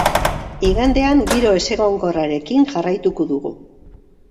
Igandean, giro ezegonkorrarekin jarraituko dugu.